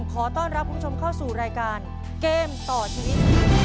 ขอต้อนรับคุณผู้ชมเข้าสู่รายการเกมต่อชีวิต